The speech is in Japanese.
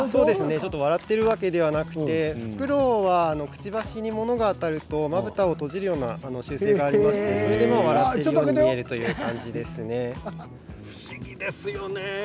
笑っているわけではなくてフクロウはくちばしに物が当たるとまぶたを閉じるような習性がありましてそれで笑っているように不思議ですよね。